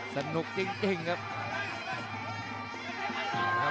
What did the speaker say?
สนุกจริงครับ